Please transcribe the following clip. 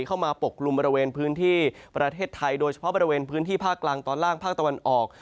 เข้ามาปกกลุ่มบริเวณพื้นที่ประเทศไทยโดยเฉพาะบริเวณพื้นที่ภาคกลางตอนล่างภาคตะวันออก